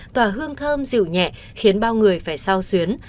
tòa hương thơm dịu nhẹ khiến bao người phải sao xuyến